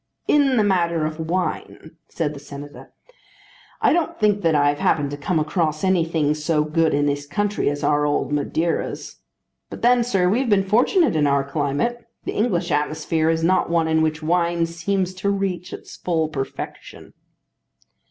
"In the matter of wine," said the Senator, "I don't think that I have happened to come across anything so good in this country as our old Madeiras. But then, sir, we have been fortunate in our climate. The English atmosphere is not one in which wine seems to reach its full perfection."